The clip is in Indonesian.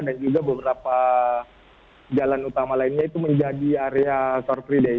dan juga beberapa jalan utama lainnya itu menjadi area short free day